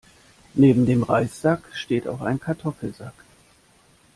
Neben dem Reissack steht auch ein Kartoffelsack.